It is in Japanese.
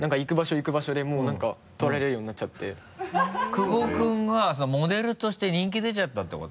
久保君がモデルとして人気出ちゃったってこと？